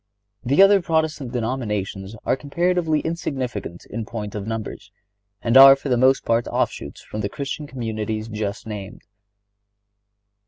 The other Protestant denominations are comparatively insignificant in point of numbers, and are for the most part offshoots from the Christian communities just named.